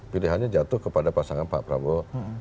pilihannya jatuh kepada pasangan pak prabowo